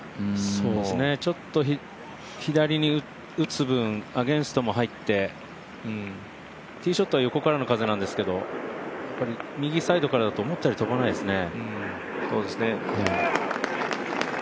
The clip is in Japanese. そうですね、左に打つ分アゲンストも入って、ティーショットは横からの風なんですけどやっぱり右サイドからだと思ったより飛ばないですね。